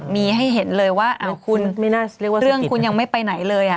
มีให้เห็นเลยว่าคุณเรื่องคุณยังไม่ไปไหนเลย